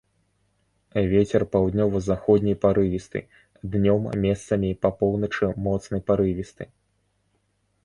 Вецер паўднёва-заходні парывісты, днём месцамі па поўначы моцны парывісты.